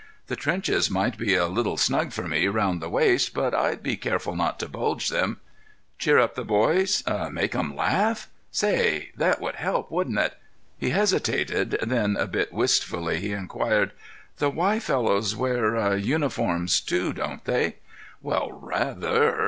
The trenches might be a little snug for me round the waist, but I'd be careful not to bulge them. Cheer up the boys! Make 'em laugh! Say—that would help, wouldn't it?" He hesitated; then, a bit wistfully, he inquired, "The Y fellows wear—uniforms, too, don't they?" "Well, rather.